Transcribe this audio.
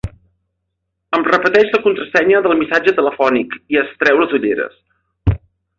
Em repeteix la contrasenya del missatge telefònic i es treu les ulleres.